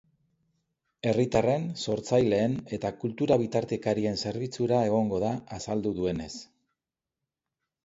Herritarren, sortzaileen eta kultura-bitartekarien zerbitzura egongo da, azaldu duenez.